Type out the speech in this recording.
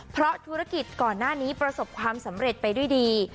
เพราะธุรกิจก่อนหน้านี้ประสบความสำเร็จไปด้วยดี